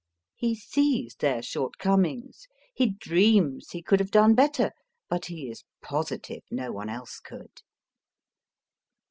He sees their shortcomings. He dreams he could have clone better ; but he is positive no one else could.